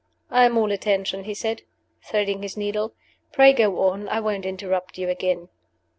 "I am all attention," he said, threading his needle. "Pray go on; I won't interrupt you again."